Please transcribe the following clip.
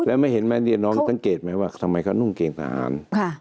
แล้วไม่เห็นไหมเนี่ยน้องสังเกตไหมว่าทำไมเขานุ่งเกณฑหาร